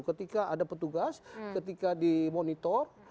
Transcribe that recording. ketika ada petugas ketika dimonitor